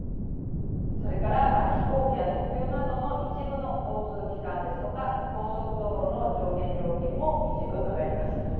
それから飛行機や特急などの一部の交通機関ですとか高速道路の上限料金も一部、上がります。